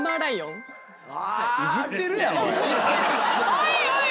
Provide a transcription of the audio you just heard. おいおい